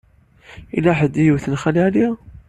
Yella ḥedd i yewten Xali Ɛli?